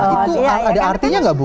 itu ada artinya nggak bu